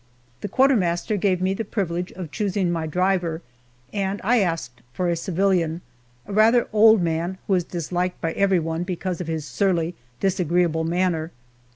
The quartermaster gave me the privilege of choosing my driver, and I asked for a civilian, a rather old man who is disliked by everyone because of his surly, disagreeable manner.